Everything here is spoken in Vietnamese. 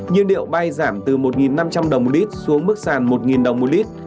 nhiên liệu bay giảm từ một năm trăm linh đồng một lít xuống mức sàn một đồng một lít